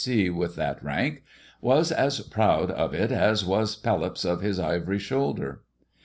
e. with that rank) was as proud of it as was Pelops of his ivory shoulder.